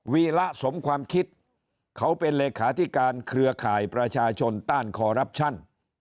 วีระสมความคิดเขาเป็นเลขาธิการเครือข่ายประชาชนต้านคอรับชัน